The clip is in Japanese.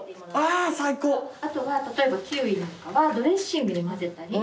あとは例えばキウイなんかはドレッシングに混ぜたり。